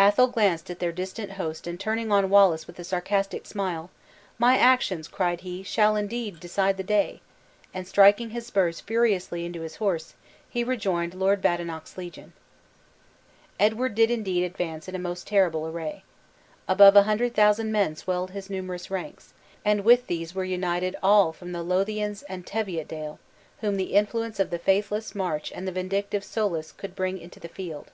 Athol glanced at their distant host and turning on Wallace with a sarcastic smile, "My actions," cried he, "shall indeed decide the day!" and striking his spurs furiously into his horse, he rejoined Lord Badenoch's legion. Edward did indeed advance in a most terrible array. Above a hundred thousand men swelled his numerous ranks; and with these were united all from the Lothians and Teviotdale, whom the influence of the faithless March and the vindictive Soulis could bring into the field.